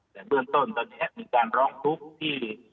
แต่เบื้องต้นตอนนี้มีการร้องทุกข์ที่